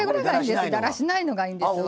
だらしないのがいいんですわ。